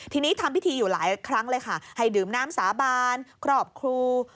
ทีนี้ทำพิธีอยู่หลายครั้งเลยค่ะให้ดื่มน้ำสาบานครอบครู